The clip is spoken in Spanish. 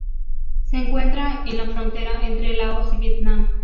Se encuentra en la frontera entre Laos y Vietnam.